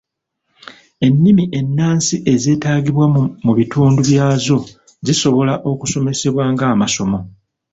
Ennimi ennansi ezeetaagibwa mu bitundu byazo zisobola okusomesebwa ng’amasomo.